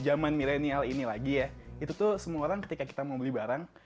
zaman milenial ini lagi ya itu tuh semua orang ketika kita mau beli barang